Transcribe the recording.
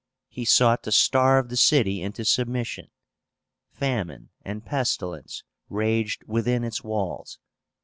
He sought to starve the city into submission. Famine and pestilence raged within its walls.